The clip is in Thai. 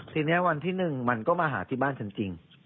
ทีนี้วันที่๑มันก็มาหาที่บ้านฉันจริง